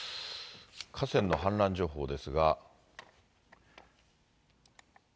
河川の氾濫情報ですが。